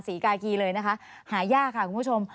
กากีเลยนะคะหายากค่ะคุณผู้ชม